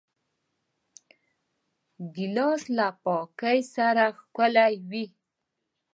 ګیلاس له پاکۍ سره ښکلی وي.